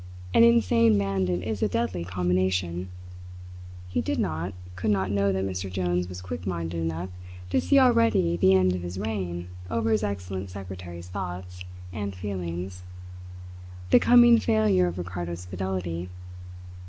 An insane bandit is a deadly combination. He did not, could not know that Mr. Jones was quick minded enough to see already the end of his reign over his excellent secretary's thoughts and feelings; the coming failure of Ricardo's fidelity.